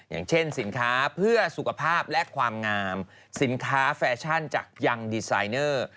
อย่างเช่นสินค้าเพื่อสุขภาพและความงามสินค้าแฟชั่นจากยังดีไซเนอร์